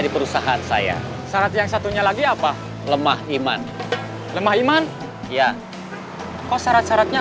di perusahaan saya syarat yang satunya lagi apa lemah iman lemah iman ya kok syarat syaratnya